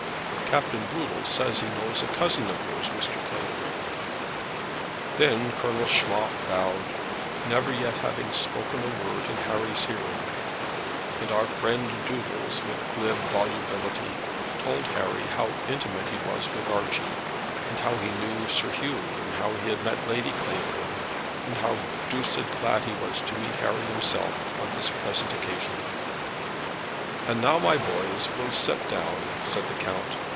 "Captain Boodle; says he knows a cousin of yours, Mr. Clavering." Then Colonel Schmoff bowed, never yet having spoken a word in Harry's hearing, and our old friend Doodles with glib volubility told Harry how intimate he was with Archie, and how he knew Sir Hugh, and how he had met Lady Clavering, and how "doosed" glad he was to meet Harry himself on this present occasion. "And now, my boys, we'll set down," said the count.